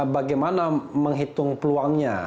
bagaimana menghitung peluangnya